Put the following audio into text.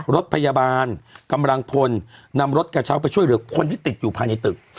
รถพยาบาลกำลังพลนำรถกระเช้าไปช่วยเหลือคนที่ติดอยู่ภายในตึก